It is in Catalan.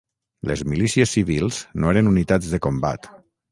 Les milícies civils no eren unitats de combat.